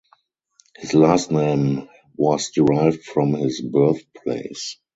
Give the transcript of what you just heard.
His last name was derived from his birthplace.